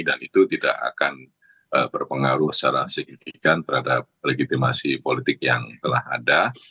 dan itu tidak akan berpengaruh secara signifikan terhadap legitimasi politik yang telah ada